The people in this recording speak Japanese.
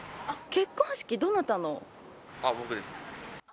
結婚式、僕です。